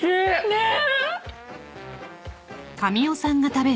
ねっ！